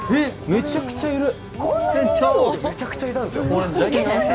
めちゃくちゃいる。